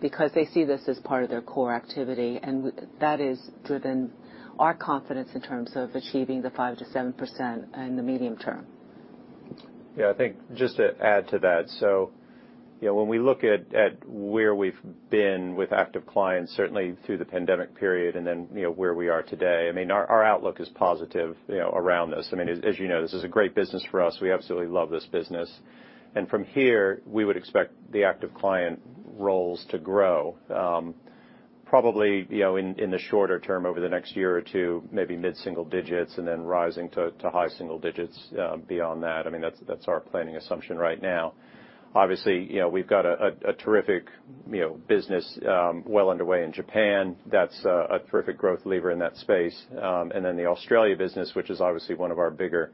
because they see this as part of their core activity, and that is driven our confidence in terms of achieving the 5%-7% in the medium term. Yeah. I think just to add to that. You know, when we look at where we've been with active clients, certainly through the pandemic period and then, you know, where we are today, I mean, our outlook is positive, you know, around this. I mean, as you know, this is a great business for us. We absolutely love this business. From here, we would expect the active client roles to grow, probably, you know, in the shorter term, over the next year or two, maybe mid-single digits and then rising to high single digits, beyond that. I mean, that's our planning assumption right now. Obviously, you know, we've got a terrific, you know, business, well underway in Japan. That's a terrific growth lever in that space. The Australia business, which is obviously one of our bigger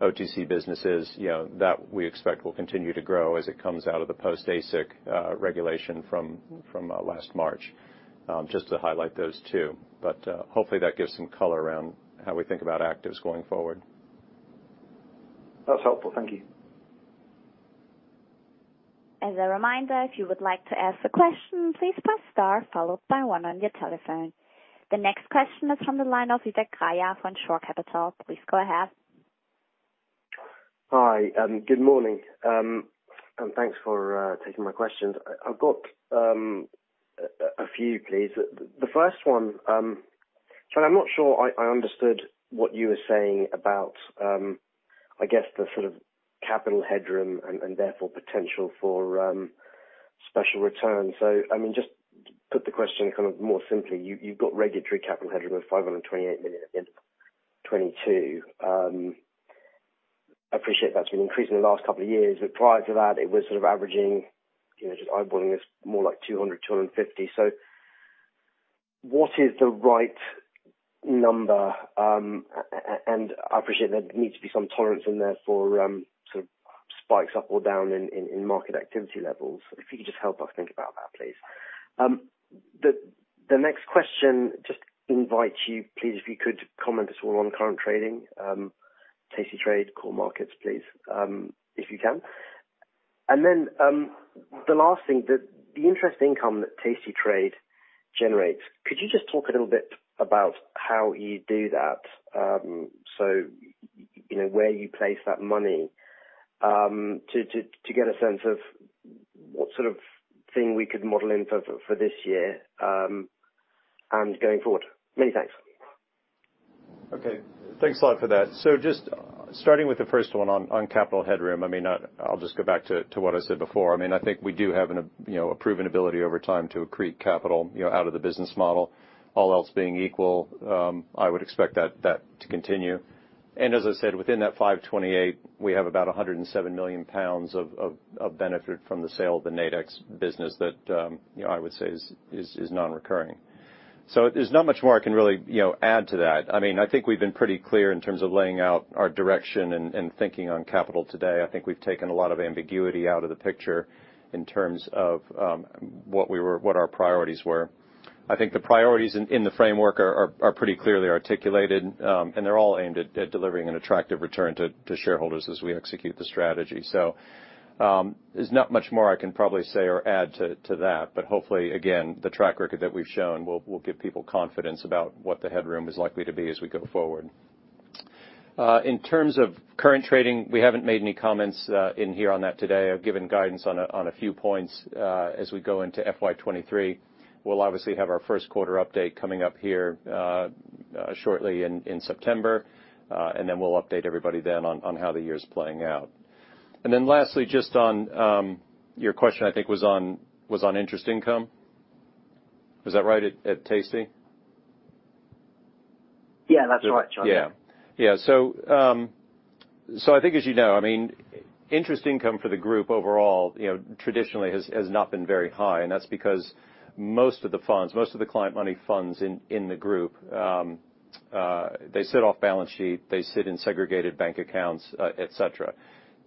OTC businesses, you know, that we expect will continue to grow as it comes out of the post-ASIC regulation from last March, just to highlight those two. Hopefully that gives some color around how we think about actives going forward. That's helpful. Thank you. As a reminder, if you would like to ask a question, please press star followed by one on your telephone. The next question is from the line of Isaac Geyer from Shore Capital. Please go ahead. Hi. Good morning. Thanks for taking my questions. I've got a few, please. The first one. I'm not sure I understood what you were saying about, I guess, the sort of capital headroom and therefore potential for special returns. I mean, just put the question kind of more simply, you've got regulatory capital headroom of 528 million in 2022. I appreciate that's been increasing the last couple of years, but prior to that it was sort of averaging, you know, just eyeballing this more like 200-250. What is the right number? I appreciate there needs to be some tolerance in there for sort of spikes up or down in market activity levels. If you could just help us think about that, please. The next question, just invite you please, if you could comment as well on current trading, tastytrade, Core Markets please, if you can. The last thing, the interest income that tastytrade generates, could you just talk a little bit about how you do that, so you know, where you place that money, to get a sense of what sort of thing we could model in for this year, and going forward. Many thanks. Okay. Thanks a lot for that. Just starting with the first one on capital headroom. I mean, I'll just go back to what I said before. I mean, I think we do have a proven ability over time to accrete capital out of the business model. All else being equal, I would expect that to continue. As I said, within that 528, we have about 107 million pounds of benefit from the sale of the Nadex business that I would say is non-recurring. There's not much more I can really add to that. I mean, I think we've been pretty clear in terms of laying out our direction and thinking on capital today. I think we've taken a lot of ambiguity out of the picture in terms of what our priorities were. I think the priorities in the framework are pretty clearly articulated, and they're all aimed at delivering an attractive return to shareholders as we execute the strategy. There's not much more I can probably say or add to that, but hopefully, again, the track record that we've shown will give people confidence about what the headroom is likely to be as we go forward. In terms of current trading, we haven't made any comments in here on that today or given guidance on a few points as we go into FY 2023. We'll obviously have our first quarter update coming up here shortly in September, and then we'll update everybody then on how the year's playing out. Then lastly, just on your question I think was on interest income. Is that right, at tastytrade? Yeah, that's right, Charlie. I think as you know, I mean, interest income for the group overall, you know, traditionally has not been very high, and that's because most of the funds, most of the client money funds in the group, they sit off balance sheet in segregated bank accounts, et cetera.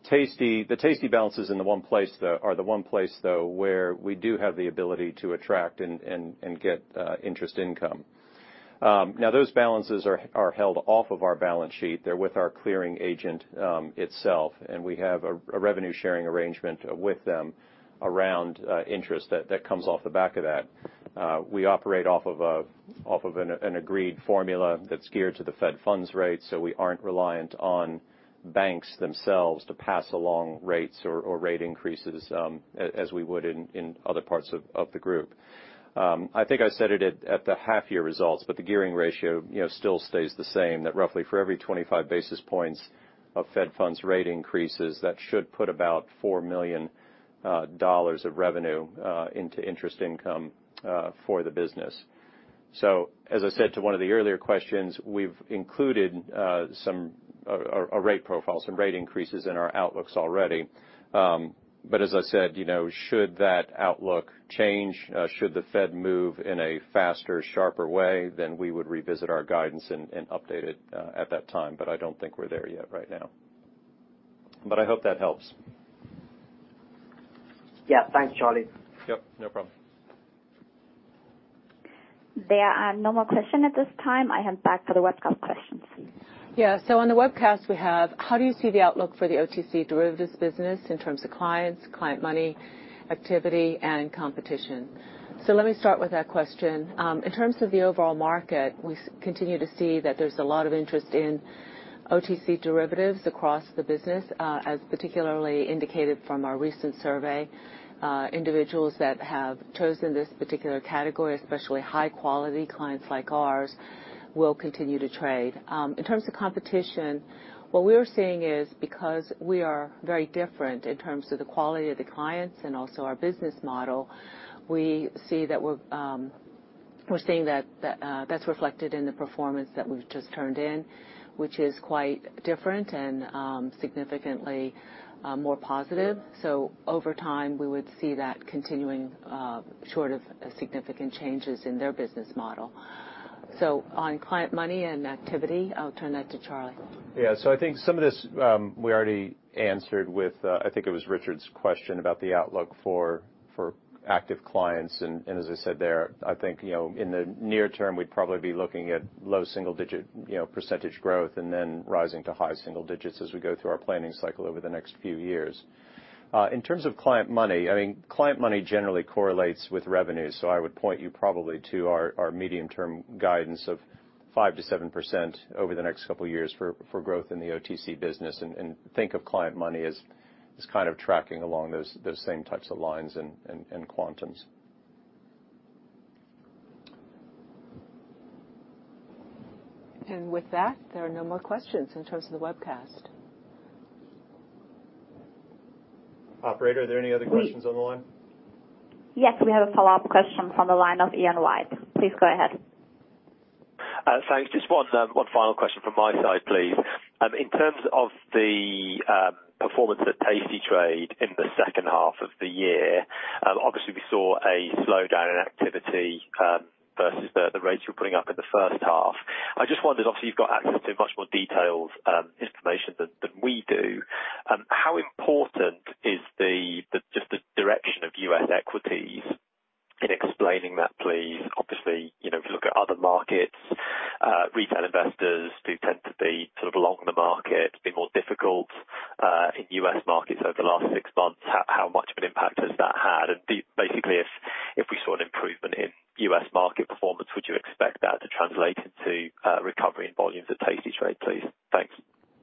Tastytrade balances are the one place, though, where we do have the ability to attract and get interest income. Now those balances are held off of our balance sheet. They're with our clearing agent itself, and we have a revenue-sharing arrangement with them around interest that comes off the back of that. We operate off of an agreed formula that's geared to the Fed funds rate, so we aren't reliant on banks themselves to pass along rates or rate increases, as we would in other parts of the group. I think I said it at the half-year results, but the gearing ratio, you know, still stays the same, that roughly for every 25 basis points of Fed funds rate increases, that should put about $4 million of revenue into interest income for the business. As I said to one of the earlier questions, we've included some or a rate profile, some rate increases in our outlooks already. As I said, you know, should that outlook change, should the Fed move in a faster, sharper way, then we would revisit our guidance and update it at that time. I don't think we're there yet right now. I hope that helps. Yeah. Thanks, Charlie. Yep, no problem. There are no more questions at this time. I hand back to the webcast questions. Yeah. On the webcast we have, "How do you see the outlook for the OTC derivatives business in terms of clients, client money, activity, and competition?" Let me start with that question. In terms of the overall market, we continue to see that there's a lot of interest in OTC derivatives across the business, as particularly indicated from our recent survey. Individuals that have chosen this particular category, especially high-quality clients like ours, will continue to trade. In terms of competition, what we are seeing is because we are very different in terms of the quality of the clients and also our business model, we see that we're seeing that that's reflected in the performance that we've just turned in, which is quite different and significantly more positive. Over time, we would see that continuing, short of significant changes in their business model. On client money and activity, I'll turn that to Charlie. Yeah. I think some of this we already answered with I think it was Richard's question about the outlook for active clients. As I said there, I think, you know, in the near term, we'd probably be looking at low single-digit, you know, % growth and then rising to high single-digit % as we go through our planning cycle over the next few years. In terms of client money, I mean, client money generally correlates with revenue, so I would point you probably to our medium-term guidance of 5%-7% over the next couple years for growth in the OTC business. Think of client money as kind of tracking along those same types of lines and quantums. With that, there are no more questions in terms of the webcast. Operator, are there any other questions on the line? Yes. We have a follow-up question from the line of Ian White. Please go ahead. Thanks. Just one final question from my side, please. In terms of the performance at tastytrade in the second half of the year, obviously we saw a slowdown in activity versus the rates you were putting up in the first half. I just wondered, obviously, you've got access to much more details, information than we do. How important is just the direction of U.S. equities in explaining that, please? Obviously, you know, if you look at other markets, retail investors do tend to be sort of along with the market, a bit more difficult in U.S. markets over the last six months. How much of an impact has that had? Basically, if we saw an improvement in U.S. market performance, would you expect that to translate into recovery in volumes at tastytrade, please? Thanks.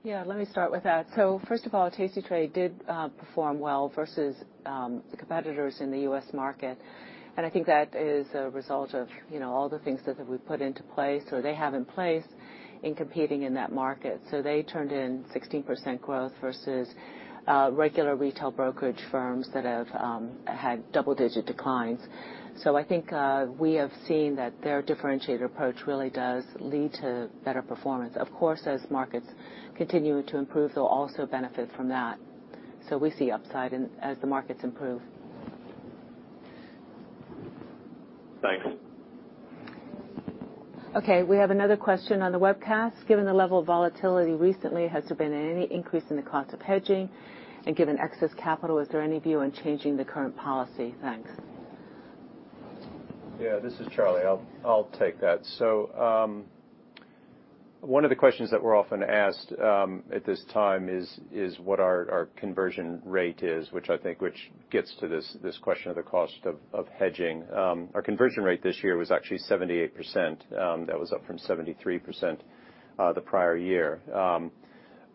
Yeah. Let me start with that. First of all, tastytrade did perform well versus the competitors in the U.S. market, and I think that is a result of, you know, all the things that we've put into place, so they have in place in competing in that market. They turned in 16% growth versus regular retail brokerage firms that have had double-digit declines. I think we have seen that their differentiated approach really does lead to better performance. Of course, as markets continue to improve, they'll also benefit from that. We see upside as the markets improve. Thanks. Okay, we have another question on the webcast: "Given the level of volatility recently, has there been any increase in the cost of hedging? And given excess capital, is there any view on changing the current policy? Thanks. Yeah. This is Charlie. I'll take that. One of the questions that we're often asked at this time is what our conversion rate is, which I think gets to this question of the cost of hedging. Our conversion rate this year was actually 78%, that was up from 73% the prior year.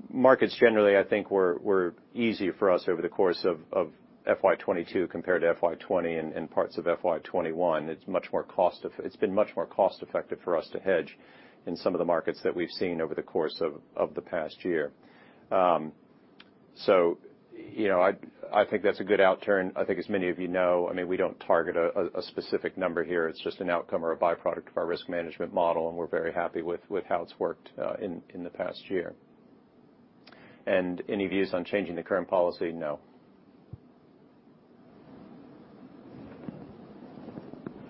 Markets generally, I think, were easy for us over the course of FY22 compared to FY20 and parts of FY21. It's been much more cost-effective for us to hedge in some of the markets that we've seen over the course of the past year. You know, I think that's a good outturn. I think as many of you know, I mean, we don't target a specific number here. It's just an outcome or a byproduct of our risk management model, and we're very happy with how it's worked in the past year. Any views on changing the current policy? No.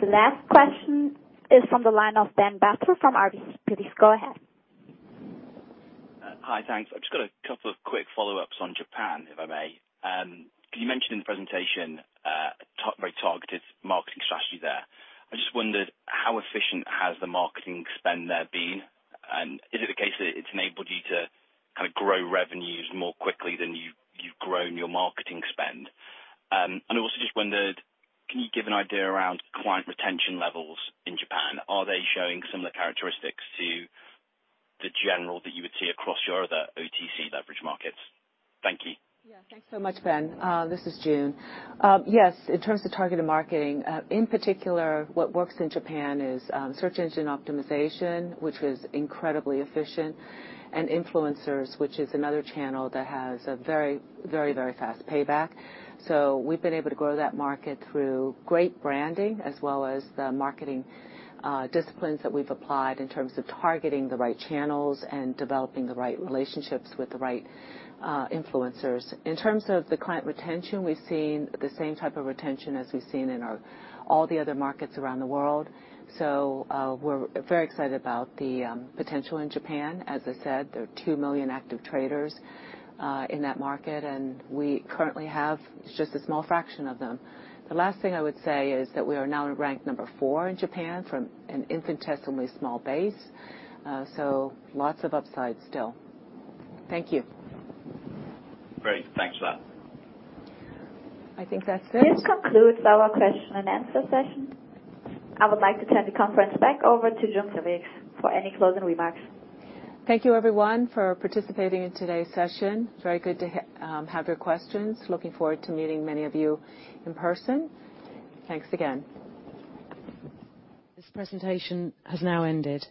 The last question is from the line of Ben Bathurst from RBC. Please go ahead. Hi, thanks. I've just got a couple of quick follow-ups on Japan, if I may. You mentioned in the presentation a very targeted marketing strategy there. I just wondered how efficient has the marketing spend there been, and is it the case that it's enabled you to kind of grow revenues more quickly than you've grown your marketing spend? I also just wondered, can you give an idea around client retention levels in Japan? Are they showing similar characteristics to the general that you would see across your other OTC leverage markets? Thank you. Yeah, thanks so much, Ben. This is June. Yes, in terms of targeted marketing, in particular, what works in Japan is search engine optimization, which was incredibly efficient, and influencers, which is another channel that has a very fast payback. We've been able to grow that market through great branding as well as the marketing disciplines that we've applied in terms of targeting the right channels and developing the right relationships with the right influencers. In terms of the client retention, we've seen the same type of retention as we've seen in all the other markets around the world. We're very excited about the potential in Japan. As I said, there are two million active traders in that market, and we currently have just a small fraction of them. The last thing I would say is that we are now ranked number four in Japan from an infinitesimally small base, so lots of upside still. Thank you. Great. Thanks for that. I think that's it. This concludes our question and answer session. I would like to turn the conference back over to June Felix for any closing remarks. Thank you everyone for participating in today's session. Very good to have your questions. Looking forward to meeting many of you in person. Thanks again. This presentation has now ended.